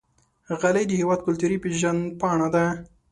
غالۍ د هېواد کلتوري پیژند پاڼه ده.